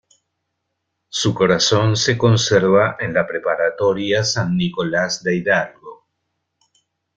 Su corazón se conserva en la preparatoria San Nicolás de Hidalgo.